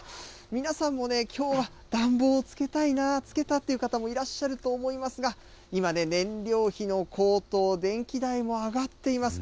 皆さんもきょうは、暖房をつけたいな、つけたっていう方もいらっしゃると思いますが、今、燃料費の高騰、電気代も上がっています。